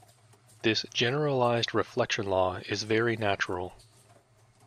This generalized reflection law is very natural.